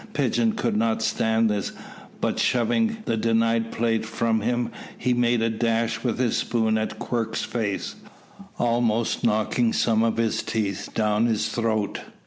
Pigeon could not stand this, but shoving the denied plate from him, he made a dash with his spoon at Quirk's face, almost knocking some of his teeth down his throat.